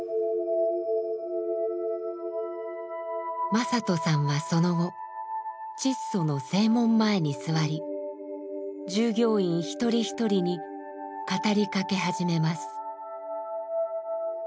正人さんはその後チッソの正門前に座り従業員一人一人に語りかけ始めます。